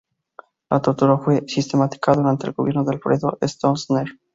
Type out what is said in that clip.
La tortura fue sistemática durante el gobierno de Alfredo Stroessner.